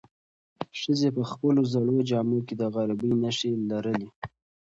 ښځې په خپلو زړو جامو کې د غریبۍ نښې لرلې.